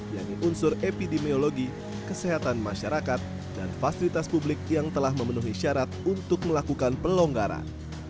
yakni unsur epidemiologi kesehatan masyarakat dan fasilitas publik yang telah memenuhi syarat untuk melakukan pelonggaran